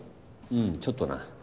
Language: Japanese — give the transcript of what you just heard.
うんちょっとな。